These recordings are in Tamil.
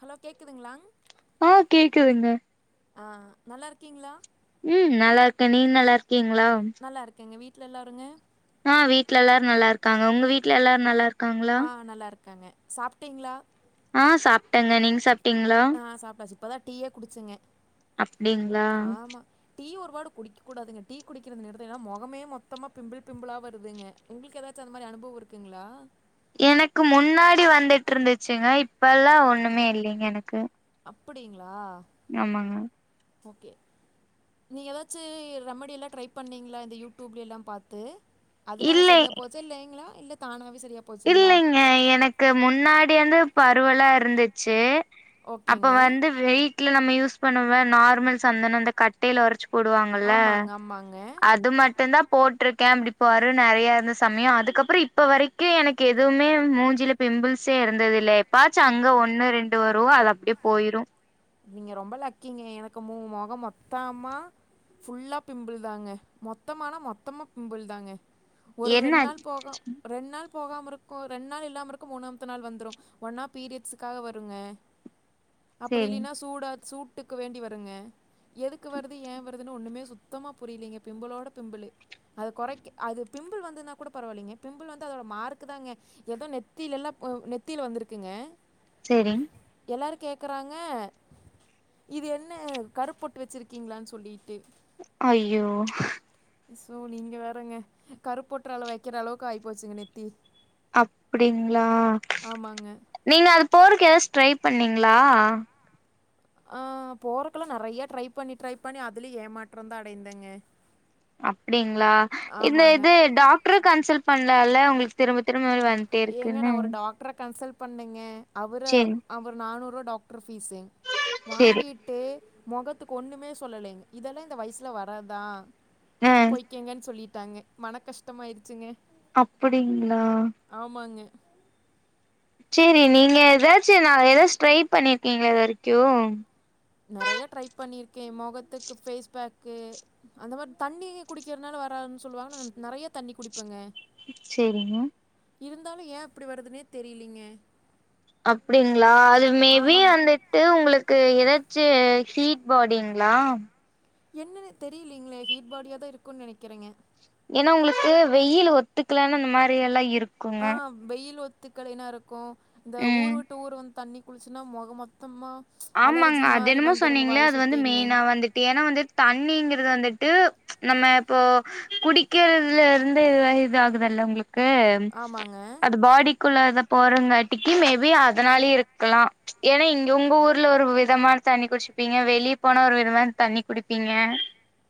ஹலோ கேக்குதுங்ளா ஆ கேக்குதுங்க ஆ நல்லா இருக்கீங்ளா ம் நல்லா இருக்கே நீங் நல்லா இருக்கீங்ளா நல்லா இருக்கேங்க வீட்ல எல்லாருங்க ஆ வீட்ல எல்லாரு நல்ல இருக்காங்க உங்க வீட்ல எல்லாரு நல்லா இருக் ஆ நல்லா இருக்காங்க சாப்ட்டீங்ளா ஆ சாப்ட்டேங்க நீங் சாப்ட்டீங்ளா ஆ சாப்ட்டாச்சு இப்பதா டீயே குடிச்சேங்க அப்டிங்களா ஆமா டீ ஒருபாடு குடிக்கூடாதுங்க டீ குடிக்கிறது நிறுத்த ஏனா மொகமே மொத்தமா பிம்பிள் பிம்பிளா வருதுங்க உங்களுக்கு ஏதாச்சு அந்த மாரி அனுபவோ இருக்குங்ளா எனக்கு முன்னாடி வந்துட் இருந்துச்சுங்க இப்பல்லா ஒன்னுமே இல்லைங்க எனக்கு அப்படிங்ளா ஆமாங்க ஓகே நீங்க ஏதாச்சு ரெமடியெல்லா ட்ரை பண்ணிங்ளா இந்த யூடியூப்ல எல்லா பாத்து அதனால இல்லை சரியா போச்சா இல்லைங்ளா இல்ல தானாவே சரியா போச்சுங்ளா ஏ எனக்கு முன்னாடி வந்து பருவுலா இருந்துச்சு அப்போ ஓகேங்க வந்து வெயிட்ல நம்ம யூஸ் பண்ணுவோம நார்மல் சந்தனம் அந்த கட்டையில உரைச்சு போடுவாங்கள்ல ஆமாங்க ஆமாங்க அது மட்டுந்தா போட்ருக்கே அப்டி பரு நெறையா இருந்த சமயோ அதுக்கப்றோ இப்போ வரைக் கு எனக்கு எதுவுமே மூஞ்சில பிம்பிள்ஸே இருந்தது இல்லே எப்பயாச்சு அங்க ஒன்னு ரெண்டு வரு அது அப்டியே போயிரு நீங்க ரொம்ப லக்கிங்க எனக்கு மூ மொகோ மொத்தமா ஃபுல்லா பிம்பிள் தாங்க மொத்தமானா மொத்தமா பிம்பிள் தாங்க ஒரு என்ன ரெண்டு நாள் போக ரெண்டு நாள் போகாம இருக்கு ரெண்டு நாள் இல்லாம இருக்கு மூணாம்த்து நாள் வந்துரு ஒன்னா பீரியட்ஸுக்காக வருங்க அப்டி சேரிங் இல்லைனா சூடா சூட்டுக்கு வேண்டி வருங்க எதுக்கு வருது ஏ வருதுன்னு ஒன்னுமே சுத்தமா புரியலைங்க பிம்புளோட பிம்பிளு அதக் கொறைக்க அது பிம்பிள் வந்ததுனா கூட பரவால்லைங்க பிம்பிள் வந்து அதோட மார்க்கு தாங்க எதோ நெத்திலெல்லா இப்ப நெத்தில வந்திருக்குங்க சேரிங் எல்லாரு கேக்குறாங் க் இது என்ன கருப்பொட்டு வெச்சிருக்கீங்களான் சொல்லிட்டு ஐயோ சோ நீங்க வேறங்க கருப்பு பொட்டுற அளவு வெக்கிற அளவுக்கு ஆயி போச்சுங்க நெத்தி அப்டிங்ளா ஆமாங்க நீங்க அது போறதுக்கு எதாச்சு ட்ரை பண்ணீங்ளா ஆ போறக்கெல்லா நெறைய ட்ரை பண்ணி ட்ரை பண்ணி அதுலயு ஏமாற்றந்தா அடைந்தேங்க அப்டிங்களா இந்த ஆமாங்க இது டாக்ட்ர கன்சல்ட் பண்லால்ல உங்களுக்கு திரும்ப திரும்ப வந்துட்டே ஏங்க நா இருக்குன்னு ஒரு டாக்ட்ர கன்சல்ட் பண்ணேங்க அவுர சேரி அவரு நானூறுவா டாக்டர் ஃபீஸுங் சேரி வாங்கிட் டு மொகத்துக்கு ஒன்னுமே சொல்லலைங்க இதெல்லா இந்த வயசுல வரதுதா ஆ போய்கங்கன் சொல்லிட்டாங்க மன கஷ்டமாயிருச்சுங்க அப்பிடிங்ளா ஆமாங்க சேரி நீங்க எதாச்சு நா எதாச்சு ட்ரை பண்ணிருக்கீங்களா இது வரைக்கு நெறைய ட்ரை பண்ணிருக்கே மொகத்துக்கு ஃபேஸ்பேக்கு அந்த மாரி தண்ணி குடிக்கிறனால வராதுன் சொல்லுவாங்கன்னு நெறைய தண்ணி குடிப்பங்க சேரிங்க இருந்தாலு ஏ இப்டி வருதுனே தெரியலீங்க அப்டிங்ளா அது மே பி ஆமாங்க. வந்துட் டு உங்களுக்கு எதாச்சு ஹீட் பாடிங்ளா என்னனே தெரியலலைங்களே ஹீட் பாடியா தா இருக்குன் நெனைக்கிறேங்க ஏனா உங்களுக்கு வெயில் ஒத்துக்லேனா அந்த மாரியெல்லா இருக் ஆ வெயில் ஒத்துக்கலைனா இருக்கு இந்த ம் ஊருவுட் ட்டு ஊரு வந்து தண்ணி குளிச்சனா மொக மொத்தமா அலர்ஜி ஆமாங்க அது மாரி என்னமோ வந்துருங்க சொன்னீங்ளே வாய் அது வந்து சுத்திங்க. மெயினா வந்துட்டு ஏனா வந்து தண்ணிங்கிறது வந்துட்டு நம்ம இப்போ குடிக்கிறதுல இருந்துதா இதாகு குதுல்ல உங்களுக்கு ஆமாங்க. அது பாடிக் குள்ள அத போறங்காட்டிக்கி மே பி அதனாலே இருக்கலா ஏனா இங்க உங்க ஊர் ர்ல ஒரு விதமான தண்ணி குடிச்சிப்பீங்க வெளிய போனா ஒரு விதமான தண்ணி குடிப்பீங்க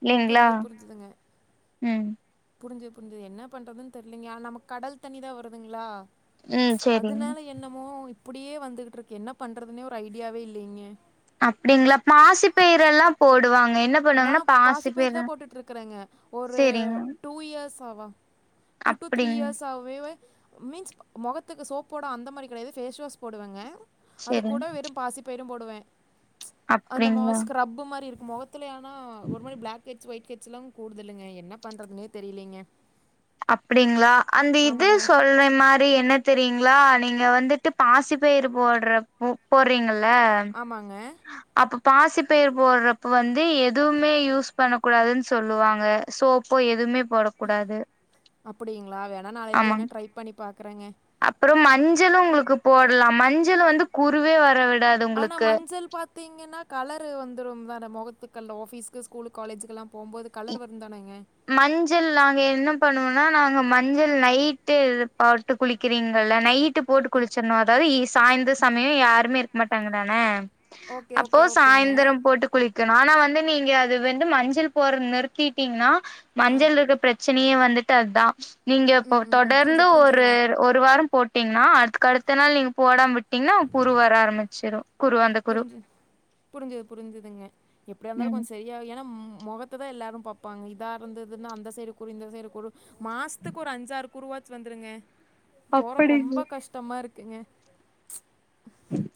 இல்லைங்ளா ந்துங்க ம் புரிஞ்சது புரிஞ்சது என்ன பண்றதுன் தெர்லைங்க ஆ நமக்கு கடல் தண்ணி தா வருதுங்ளா ம் சேரிங்க அதுனால என்னமோ இப்டியே வந்துகிட்ருக்கு என்ன பண்றதுனே ஒரு ஐடியாவே இல்லைங்க அப்டிங்ளா பாசி பயரெல்லா போடுவாங்க என்னப் நா பாசிப்பயரு தா போட்டுட்ருக்கறேங்க ஒரு சேரிங்க டூ இயர்ஸாவா டூ டூ த்ரீ அப்டிங் இயர்ஸாவ் வே வே மீன்ஸ் மொகத்துக்கு சோப்போட அந்த மாரி கெடையாது ஃபேஸ் வாஷ் போடுவேங்க அது சேரிங்க கூட வெறும் பாசி பயிரும் போடுவே அந்த அப்டிங்களா முகம் ஸ்கர்ப் மாரி இருக்கும் மொகத் துலே ஆனா ஒரு மாரி பிளாக் ஹெட் ஒயிட்ஹெ்ஸ் எல்லாம் போடுதுலங்க என்ன பண்றதுனே தெரியலீங்க அப்டிங்களா அந்த இது சொல் மாரி என்ன தெரியீங்களா நீங்க வந்துட்டு பாசிப்பயிர் போடுற போர்றீங்கள ஆமாங்க அப்ப பாசிப்பயர் போடுறப்ப வந்து எதுவுமே யூஸ் பண்ண கூடாதுனு சொல்லுவாங்க சோப்பு எதுவுமே போடக்கூடாது ஆமா டிரை பண்ணி பார் கிரங்க அப்புறம் மஞ்சளும் உங்களுக்கு போடலா மஞ்சள் வந்து குருவே வர விடாது ஆனா உங்களுக்கு மஞ்சள் பாத் த்திங்கன்னா கலர் வந்துடும் வெர மொகத்துக்கல ஆஃபீஸ்க்கு ஸ்கூலு காலேஜுக்கெலா போகும்போது கலர் வரு தானேங்க மஞ்சள் நாங்க என்ன பண்ணுவோம்னா நாங்க மஞ்சள் நைட்டு போட்டு குளிக்கிறீங்கள நைட்டு போட்டு குளிச்சுறணு அதாவது சாய்ந்தர சமயம் யாருமே இருக்க மாட்டாங்க தானே ஓகே, அப்போ ஓகே, ஓகேங்க. சாய்ந்தர போட்டு குளி நானா வந்து நீங்க அது வந்து மஞ்சள் போற நிறுதீட்டீங்கனா மஞ்சள் இது பிரச்ச னையே வந்துட்டு அதுதா நீங்க இப்போ ம், ம், ம். தொடர்ந்து புரிஞ்சது, ஒரு புரிஞ்சதுங்க. ஒரு வாரம் போட்டீங்னா அதுக்கு அடுத்த நாள் நீங்க போடாம விட்டீங்கன்னா புரு வர ஆரம்பிச்சிடும் புரிஞ்சு புரிஞ்சுது புரிஞ்சுதுங்க எப்டியா இருந்தாலும் ம் கொஞ்ச செய் ஏன்னா மொகத்த தா எல்லாரும் பாப்பாங்க இதா இருந்ததுனா அந்த சைடு குரு இந்த சைடு குரு மாசத்துக்கு ஒரு அஞ்சாறு குருவாச்சு வந்துருங்க போறக்கு அப்படிங்ளா ரொம்ப கஷ்டமா இருக்குங்க ம்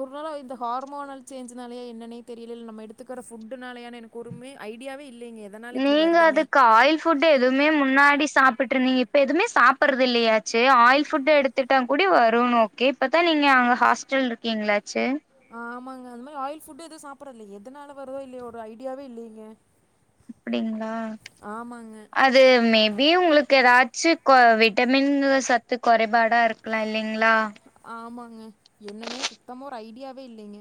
ஒரு நாளா இந்த ஹார்மோனல் சேஞ்ச்னாலயா என்னன்னே தெரியல நம்ம எடுத்துக்கிற ஃபுட்டுனாலேயா எனக் குறுமே ஐடியாவே இல்லைங்க எதனால இப்டி நீங்க வருதுனே அதுக்கு ஆயில் ஃபுட் எதுவுமே முன்னாடி சாப்ட்டு இருந்தீங்க இப்ப எதுவுமே சாப்புறது இல்லயாச்சே ஆயில் ஃபுட் எடுத்துட்டா கூடி வரும்னு ஓகே இப்பதா நீங்க அங்க ஹாஸ்டல்ல இருக்கீங்களாச்செ ஆமாங்க அந்த மாதிரி ஆயில் ஃபுட் எதுவும் சாப்பிடற இல்ல எதனால வருதோ இல்லைய ஒரு ஐடியாவே இல்லையீங்க அப்படிங்களா ஆமாங்க அ து மேபி உங்களுக்கு ஏதாச்சு விட்டமின் சத்து குறைபாடா இருக் லாம் இல்லைங்களா ஆமாங்க என்னன்னே சுத்தமா ஒரு ஐடியாவே இல்லைங்க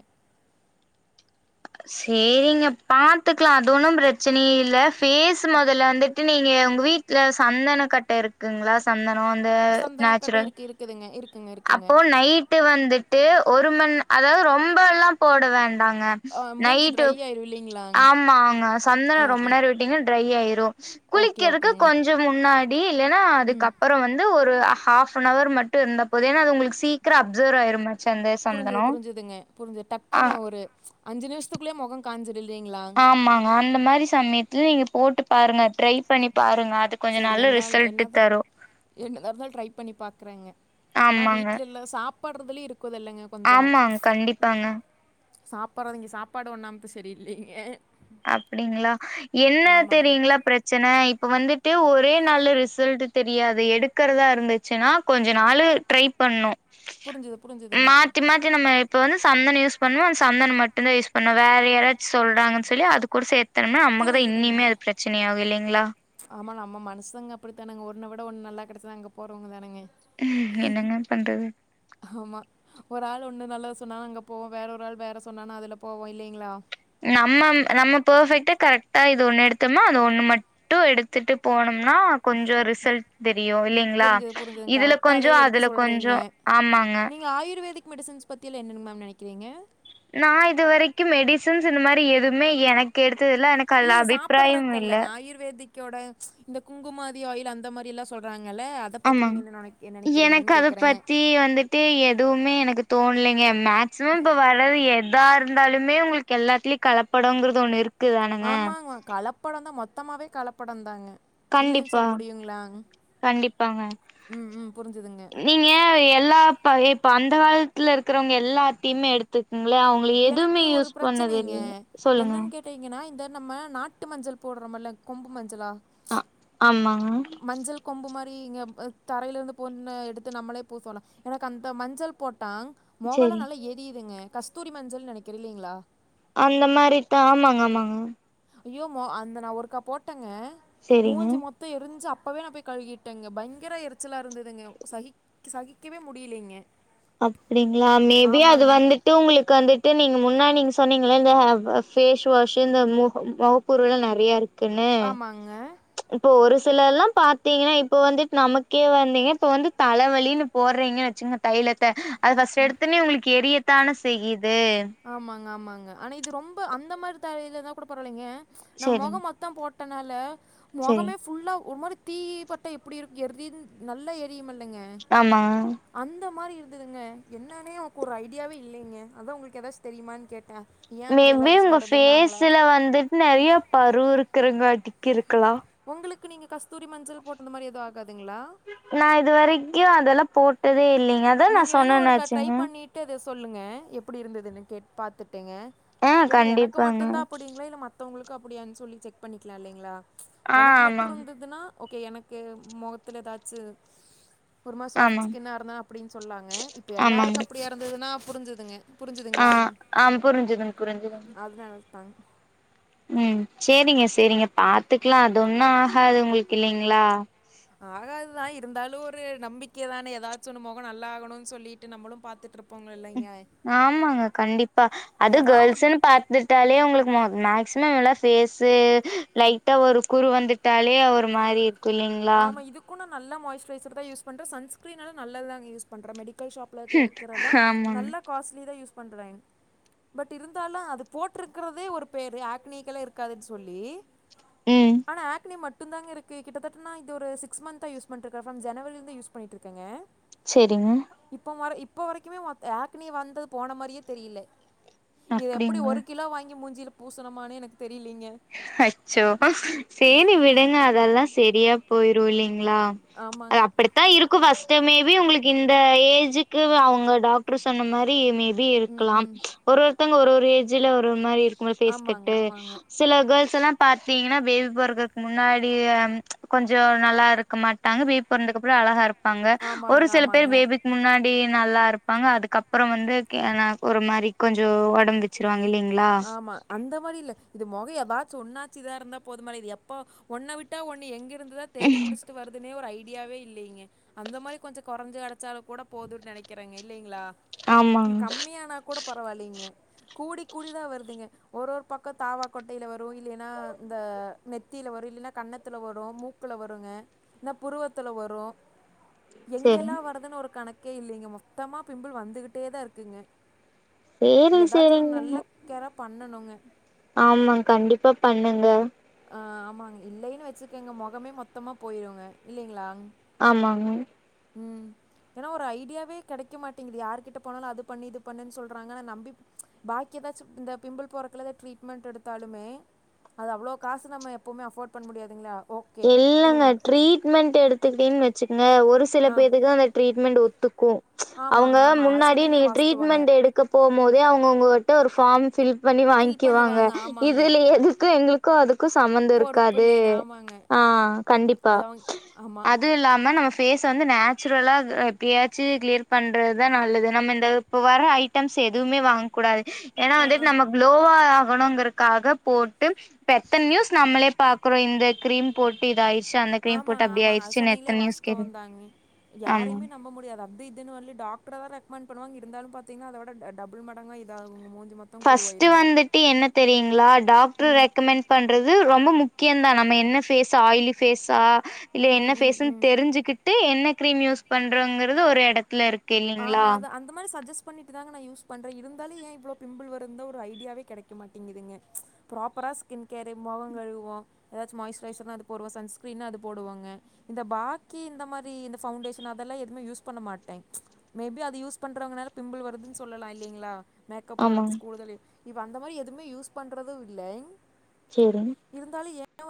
சரிங்க பாத்துக்கலா அது ஒன்னும் பிரச்சனையே இல் பேஸ் முதல்ல வந்து நீங்க உங்க வீட்டுல சந்தன கட்ட இருக்குங்களா சந்தனம் அந்த சந்தனக்கட்ட நச்சுரல் இருக்கு இருக்குதுங்க இருக்குங்க இருக் அப்போ நைட்டு வந்துட்டு ஒரு மண் அதாவது ரொம்ப எல்லா போட வேண்டாங்க நைட்டு இல்லலைங்களா ஆமாங்க சந்தனம் ரொம்ப நேரம் விட்டீங்க டிரை ஆயிரும் ஓகே குளிக்கிறதுக்கு ஓகேங்க கொஞ்சம் முன்னாடி இல்லன்னா அதுக்கப்புறம் வந்து ஒரு ஹாப் ஹவர் மட்டும் இருந்த போத ஏன்ன அது உங்களுக்கு சீக்கிரம் அப்சர் ஆயிருங்க புரிஞ்சுது புரிஞ்சுதுங்க புரிஞ்சுது ஆ டக்குன்னு ஒரு அஞ்சு நிமிஷத்துக்குள்ளேயே முகம் காயஞ்சிட இல்லைங்களா ஆமாங்க. அந்த மாதிரி சமயத்துல நீங்க போட்டு பாருங்க ட்ரை பண்ணி பாருங்க அது கொஞ்ச நாள் ரிசல்ட் தரும் என்ண தா இருந்தாலு ட்ரை பண்ணி பாக்குறேங்க ஆனா ஆமாங்க. வீட்டுல இ சாப்பாடுறதுலய இருக்குதல்லங்க ஆமாங்க கண்டிப்பாங்க சாப்பட்றது இங்க சாப்பாடு ஒண்ணாம்த சரி இல்லைங்க அப்டிங்ளா என்ன தெரியுங்களா பிரச் சனை இப்ப வந்துட்டு ஒரே நாள்ல ரிசல்ட்டு் தெரியாது எடுக்கிறதா இருந்துச்சுன்னா கொஞ்ச நாளு ட்ரை பண்ணு புரிஞ்சது புரிஞ்சதுங்க ம் து நம்ம இப்ப வந்து சந்தனம் யூஸ் பண்ணா அந்த சந்தனம் மட்டுந்தா யூஸ் பண்ணும் வேற யாராச்சும் சொல்றாங்கன்னு சொல்லி அது கூட சேத்தனும்னா நமக்குதா இன்னிம்மே அது பிரச்சனைை ஆகும் இல்லைங்ளா ஆமா நம்ம மனசுங்க அப்படித்தானாங்க ஒன்ன விட ஒண்ணு நல்லா கிடைச்சா தா அங்க போறவங்க தானாங்க அ என்னங்க பண்றது ஆமா ஒரு ஆள் ஒண்ணு நல்லது சொன்னா அங்க போவோ வேற ஒரு ஆள் வேற சொன்னானா அதுல போவோ இல்லைங்ளா நம்ம நம்ம பர்ஃபெக்ட்டா கரெக்டா இது ஒண்ணு எடுத்தம்னா அது ஒண்ணு மட் டு எடுத்துட்டு போனம்னா கொஞ்சோ ரிசல்ட் தெரியு இல்லீங்ளா புரிஞ்சுது இதுல கொஞ்சோ அதுல கொஞ்சோ ஆமாங்க நீங்க ஆயுர்வேதிக் மெடிசன்ஸ் பத்திய எல்லா என்னன்னு மேம் நெனைக்கிறீங்க நா இது வரைக்கும் மெடிசன்ஸ் இந்த மாறி எதுவுமே எனக்கு எடுத்தது இல்ல இல்ல இல்ல சாப்பட்றக்கல்லங்க ஆயுர்வேதிக் கை யோட இந்த குங்குமாதி ஆயில் அந்த மாறி எல்லா சொல்றாங்கில்ல ஆமாங் எனக்கு அத பத்தி வந்து தியே எதுவுமே எனக்கு தோணலங்க மேக்சிமம் இப்ப வர்றது எதா இருந்தாலுமே உங்களுக் எல்லாத்துலயு கலப்படோங்கிறது ஒன்னு இருக் ஆமாங்மா கலப்படந்தா மொத்தமாவே கலப்படந்தாங்க இல்லன்னு கண்டிப்பா சொல்ல முடியுங்களாங்க கண்டிப்பாங்க உம் உம் புரிஞ்சதுங்க ஏ எல்லா இப்ப இப்ப அந்த காலத்துல இருக்கிறவங்க எல்லாத்தையுமே எடுத் த்துக்குங்ளா அவங்கள எ- எதுமே எனக்கு யூஸ் பண்ணது இல்ல சொல்லுங்க பாத்தீங்கன்னா இந்த நம்ம நாட்டு மஞ்சள் போட்றோம்ல்லங் கொம்பு மஞ்சளா ஆ ஆமாங்க மஞ்சள் கொம்பு மாறி இங்க தரையில இருந்து பொண்ணு எடுத்து நம்மளே பூ சொல்லா எனக்கு அந்த மஞ்சள் போட்டா மொகல்லா செரி நல்லா எரியுதுங்க கஸ்தூரி மஞ்சள்னு நெனைக்கிற இல்லங்ளா அந்த மாறி தா ஆமாங்க ஆமாங்க ஐய்யோ மொ அந்த நா ஒருக்கா போட்டேங்க செரிங்க மூஞ்சு மொத் தோ எரிஞ்சு அப்பவே நா போய் கழுகிட்டேங்க பயங்கர எரிச்சலா இருந்ததுங்க சகிக் சகிக்கவே முடியலைங்க அப்டிங்களா மேபி அது ஆமாங்க வந்து ட்டு உங்களுக்கு வந்துட்டு நீங்க முன்னா நீங்க சொன்னீங்க இல்ல இந்த பேஸ் வாஷ்சு இந்த முக மொக புருவல்லா நெறையா இருக் ஆமாங்க இப்போ ஒரு சிலர் எல்லா பாத்தீங்கன்னா இப்போ வந்துட்டு நமக்கே வந்தீங்க இப்ப வந்து தலைவலின்னு போட்றீங்கன்னு வச்சுங்க தைலத்த அது ஃபர்ஸ்ட் எடுத்தன்னே உங்களுக்கு எரியத்தானே செய்யுது ஆமாங்க ஆமாங்க ஆனா இது ரொம்ப அந்த மாறி தலை யில்லன்னா கூட பரவால்லைங்க நம்ம செரிங் மொகோ மொத் தம் போட்டனால மொகமே செரிங் ஃபுல்லா ஒரு மாறி தீ யி பட்டா எப்பிடி இருக்கு எரியிது நல்லா எரியுமில்லங்க ஆமாங்க அந்த மாறி இருந்ததுங்க என்னன்னே எனக்கு ஒரு ஐடியாவே இல்லைங்க அத்தா உங்களுக்கு ஏதாச்சு தெரியமான்னு கேட்டே மேபி உங்க பேஸ்ல வந்துட்டு நெறைய பரு இருக்குறங்காட்டிக்கு இருக்கலா உங்களுக்கு நீங்க கஸ்தூரி மஞ்சள் போட்டு இந்த மாறி எதும் ஆகாதுங்ளா நா இது வரைக்கும் அதெல்லாம் போட்டதே இல்லைங்க அதா நா நீங்க வேணா ஒருக்கா ட்ரை சொன்னனாச்சுங்க பண்ணிட்டு அதை சொல்லுங்க எப்படி இருந்ததுன்னு கே பாத்துட்டேங்க ஆ ஏனா எனக்கு கண்டிப்பாங்க மட்டும்தான் அப்படிங்களா இல்ல மத்த வங்களுக்கு அப்படியான் சொல்லி செக் பண்ணிக்கலாம் இல்லைங்களா ஆ எனக்கு மட்டும் ஆமாங் இருந்ததுன்னா ஓகே எனக்கு முகத்துல ஏதாச்சு பொருமா சாஃப்ட் ஆமாங் ஸ்கின்னா இருந்தா அப்டின்னு சொன்னாங்க இப்ப ஆமாங்க எல்லாருக்கும் அப்டியே இருந்ததுன்னா புரிஞ்சதுங்க ஆ புரிஞ்சுதுங்களா ஆ புரிஞ்சுதுங் அதுதான் என தாங்க உம் செரிங்க செரிங்க பாத்துக்கலாம் அது ஒண்ணும் ஆகாது உங்களுக்கு இல்லைங்களா ஆகாதுதான் இருந்தாலும் ஒரு நம்பிக்கை தான ஏதாச்சு ஒன்னு மொகொ நல்லாாகணும்னு சொல்லிட்டு நம்மளும் பாத்துட்டு இருப் போ இல்லைங்க ஆமாங்க கண்டிப்பா அது எதா ஒரு கேர்ள்ஸ்ன்னு பா வந்துட்டாலே உங்களுக்கு மோ மேக்சிமம் எல்லாம் ஃபேஸ லைட்டா ஒரு குரு வந்து ட்டாலே ஒருர் மாரி இரு ஆமா இதுக்கும் நல்லா நா மாய்ஸ்ட்ரைசர் தா யூஸ் பண்றன் சன்ஸ்கிரீனா நல்லது தாங்க ஸயூஸ் பண்றே மெடில் ஷாப் ப்ல ம் கிடைக்கிறதா ஆமாங்க நல்ல காஸ்ட்லி தா யூஸ் பண்ணறேன் பட் இருந்தாலும் அது போட்டிருக்கிறதே ஒரு பேர் ஆக்னிக்கல்லாம் இருக்காதுன்னு சொல்லி ம் ஆனா ஆக்னி மட்டும் தாங்க இருக்கு கிட்டத்த நா இது ஒருிக்ஸ் மந்த்தா யூஸ் பண்ணிருக்கேன் ஃபம் ஜனவலிருந்து யூஸ் பண்ணிட்டுருக்கேங்க சேரிங்க இப்ப வர இப்ப வரைக்குமே ஆக்னி வந்தது போன மாரியே தெரியல இது எப்டி அப்டிங்களா ஒரு கிலோ வாங்கி மூஞ்சியில பூசணுமான்னு எனக்கு தெரியலீங்க அச்சோ சேரி விடுங்க அதெல்லாம் சரியா போயிரும் இல்லலைங்களா அது ஆமாங்க அப்படி தா இருக்கும் ஃபஸ்ட் மேபி உங்களுக்கு இந்த ஏஜ்க்கு அவுங்க டாக்டர் சொன்ன மாரி மேபி ப ம் இருக்கலாம் ம் ஒரு ஒருத்தவங்க ஒரு ஒரு ஏஜ்ல ஒரு ஒரு மாரி இருக்கும் ஆமாங்க ஃபேஸ்கட்டு ஆமாங்க சில கேர்ள்ஸ் எல்லாம் பாத்தீங்கன்னா பேபி போறக்க முன்னாடி கொஞ்சம் ஜொ நல்லா இருக்க மாட்டாங்க பேபி பொறந்த அப்றம் அழகா இருப்பாங்க ஒரு ஆமாங்க, சில ஆமாங்க. பேர் பேபிக் முன்னாடி நல்லா இருப்பாங்க அதுக்கப்புறம் வந்து அ ஒரு மாரி கொஞ்சம் உடம்பு ஆமா அந்த மாரி இல்ல இது முகை யபாச்ச ஒன்னாச்சு இதா இருந்தா போதுமால இது எப்போ ஒன்ன விட்டா ஒன்னு எங்க இருந்ததா தேடி பிடிச்சிட்டு வருதுனே ஒரு ஐடியாவே இல்லைங்க அந்த மாரி கொஞ்சம் குறைஞ்சு கிடடைச்சாலும் கூட போதும்ன்னு நினைக்கிறேங்க இல்லைங்ளா ஆமாங்க கம்மியானா கூட பரவாயிலீங்க கூடி கூடிதான் வருதுங்க ஒரு ஒரு பக்கம் தாவாக்கட்டையில வரும் இல்லைன்னா இந்த நெத்தியில வரும் இல்லைன்னா கண்ணத்துல வரும் மூ க்குள்ள வருங்க என்ன புருவத்துல வரும் சேரிங் எங்கெல்லாம் வர்துன்னு ஒரு கணக்கே இல்லைங்க மொத்தமா பிம்பிள் வந்துகிட்டே தான் இருக்குங்க சேரிங் சேரிங்க கெற பண்ணணுங்க ஆமா கண்டிப்பா பண்ணுங்க ஆ ஆமாங்க இல்லைன்னு வச்சுக்கங்க மொகமே மொத்தமா போயிருங்க இல்லைங்ளா ஆமாங்க உம் ஏன்னா ஒரு ஐடியாவே கெடைக்க மாட்டிங்குது யார்கிட்ட போனாலும் அது பண்ணு இது பண்ணுன்னு சொல்றாங்க நம்பி பாக்கிதா எதாச்சி இந்த பிம்பிள் போறக்குள்ள ட்ரீட்மெண்ட் எடுத்தாலுமே அது அவளோ காசு நம்ம எப்பவுமே அஃபோர்ட் பண்ண முடியாதுங்ளா அப்போ இல்லங்க ட்ரீட்மெண்ட் எடுத்துக்கிட்டேன்னு வச்சுகங்க ஒரு சில ஆ. பேருத்துக்கு தா அந்த ட்ரீட்மெண்ட் ஒத்துக்கும் அவுங்க ஆமாங்க, ஆமா. அது முன்னாடி நீ சொன்னீங்களே வாஸ்தவங்க. ட்ரீட்மெண்ட் எடுத் போம்போதே அவுங்க ஒங்ககிட்ட ஒரு ஃபார்ம் பில் பண்ணி ஃபில் வாங்கிக்வாங்க பண்ணுவாங்க. ஆமாங்க. இதுல எதுக்கு எங்களுக்கு களுக்கு அதுக்கும் சமந்தம் பொறுப்பு இருக்காது இல்லேன்னு. ஆமாங்க. ஆ கண்டிப்பா அது அவங்க ஆமா. அது இல்லாம நம்ம பேஸ் வந்து நேச்சுரலா எப்டியாச்சும் கிளியர் பண்றதுதா நல்லது நம்ம இந்த இப்போ வர்ற ஐட்டம்ஸ் எதுவுமே வாங்க கூடாது ஏன்னா ஆ வந்துட்டு நம்ம குளோவா ஆகணுங்கிறதுக்காக போட்டு பெத்த நியூஸ் நம்மளே பாக்றோ இந்த கிரீம் போட்டு இதா ஆயிடுச்சு அந்த கிரீம் போட்டு ஆமாங்க அப்டி ஆமாங்க அது ஆயிடுச்சுன்னு சொன்னீங்களே எத்தன நியூஸ் கேளு வாஸ்தவம் தாங்க ஆமா யாரையுமே நம்ப முடியாது அப்டி இதுன்னு வல்ல டாக்டர் வேற ரெக்கமெண்ட் பண்ணுவாங்க இருந்தாலும் பாத்தீங்க அத விட டபுள் மடங்கா இதாகுங்க மூஞ்சு மத்தம் பர்ஸ்ட் வந்துட்டு என்ன தெரியுங்ளா டாக்டர் ம் ரெக்கமெண்ட் பண்றது ரொம்ப முக்கியம் தா நம்ம என்ன பேஸ் ஆயிலு ஃபேஸா இல்ல என்ன ம் ம் ஃபேஸ்ன்னு ம் தெரிஞ்சுக்கிட்டு என்ன க்ரீம் யூஸ் பண்றோங் கறது ஒரு எடத்துல இருக்கு இல்லைங்களா ஆமா அது அந்த மாதிரி சஜஸ் பண்ணிட்டு தாங்க நான் யூஸ் பண்றே இருந்தாலு ஏ இவ்ளோ பிம்பிள் வருதுந்தா ஒரு ஐடியாவே கெடைக்க மாட்டேங்குதுங்க ப்ராப்பரா ஸ்கின் கேர் முகங்கள்ழுவோ ஏதாச்சு மாய்சஸ்சுரைஸர்ன்னா அது போடுவோம் சன்ஸ்க்ரீன்னா அது போடுவோங்க இந்த பாக்கி இந்த மாரி இந்த பவுண்டேஷன் அதெல்லாம் எதுவுமே யூஸ் பண்ண மாட்டே மேபி அது யூஸ் பண்றங்கனால பிம்பிள் வருதுன்னு சொல்லலா இல்லைங்ளா மேக்கப் ஆமா ப்ராடக்ஸ் கூடுதல் இப்போ அந்த மாரி எதுவுமே யூஸ் பண்ணுறதும் இல்ல சேரிங்க இருந்தாலும் ஏத்